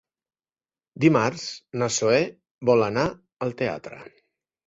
Dimarts na Zoè vol anar al teatre.